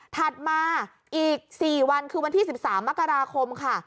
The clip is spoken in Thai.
ถัดมาอีก๔วันคือวันที่๑๓มกราคมค่ะ